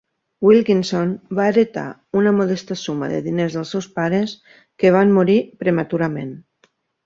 Wilkinson va heretar una modesta suma de diners dels seus pares, que van morir prematurament.